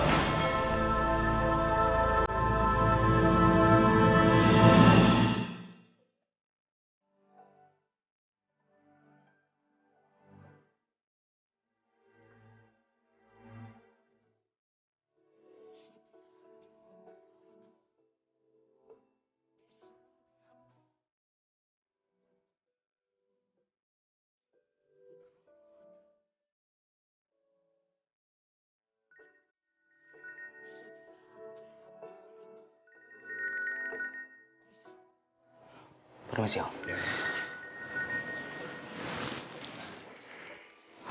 kamu berarti banget doa dari kamu